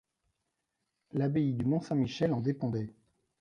L'abbaye du Mont-Saint-Michel en dépendait.